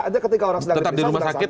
aja ketika orang sedang di rumah sakit